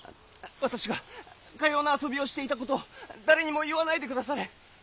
私がかような遊びをしていたこと誰にも言わないでくだされ！